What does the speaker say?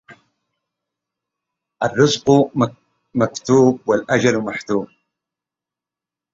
تسأل الغيب أن يريها المصيرا